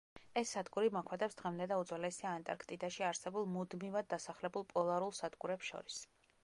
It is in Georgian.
ეს სადგური მოქმედებს დღემდე და უძველესია ანტარქტიდაში არსებულ მუდმივად დასახლებულ პოლარულ სადგურებს შორის.